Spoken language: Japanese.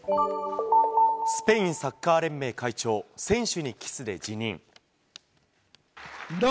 スペインサッカー連盟会長、選手にキスで辞任。